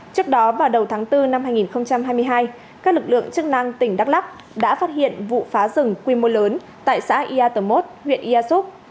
trước đó vào đầu tháng bốn năm hai nghìn hai mươi hai các lực lượng chức năng tỉnh đắk lắk đã phát hiện vụ phá rừng quy mô lớn tại xã yatomot huyện yasuk